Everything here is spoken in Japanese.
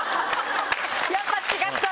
やっぱ違った？